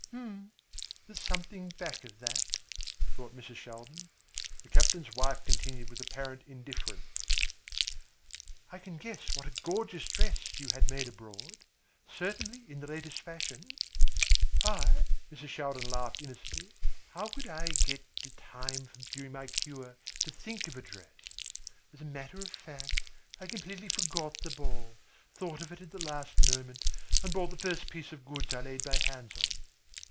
"Hm, there's something back of that," thought Mrs. Shaldin. The captain's wife continued with apparent indifference: "I can guess what a gorgeous dress you had made abroad. Certainly in the latest fashion?" "I?" Mrs. Shaldin laughed innocently. "How could I get the time during my cure to think of a dress? As a matter of fact, I completely forgot the ball, thought of it at the last moment, and bought the first piece of goods I laid my hands on."